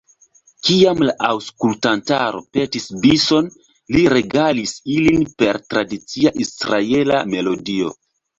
Kiam la aŭskultantaro petis bison, li regalis ilin per tradicia israela melodio.